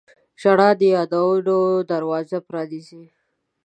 • ژړا د یادونو دروازه پرانیزي.